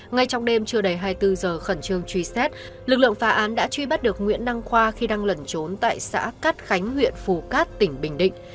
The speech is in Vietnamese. ngay trong đêm chưa đầy hai mươi bốn giờ khẩn trương truy xét lực lượng phá án đã truy bắt được nguyễn đăng khoa khi đang lẩn trốn tại xã cát khánh huyện phù cát tỉnh bình định